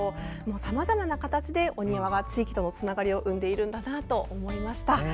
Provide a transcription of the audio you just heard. さまざまな形でお庭が地域とのつながりを生んでいるんだなと思いました。